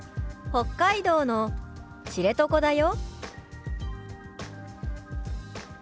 「北海道の知床だよ」。